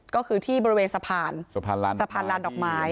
ก็คือที่บริเวณสะพานสะพานลานดอกไม้